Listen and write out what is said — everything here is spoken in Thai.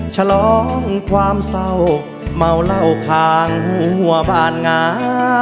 ฉลองความเศร้าเมาเหล้าค้างหัวบ้านหงา